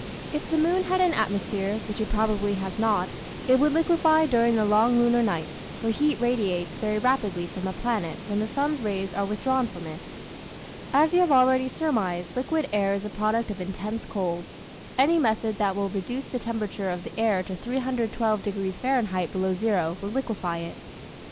If the moon had an atmosphere (which it probably has not) it would liquefy during the long lunar night, for heat radiates very rapidly from a planet when the sun's rays are withdrawn from it. As you have already surmised, liquid air is a product of intense cold. Any method that will reduce the temperature of the air to 312 degrees Fahrenheit below zero will liquefy it.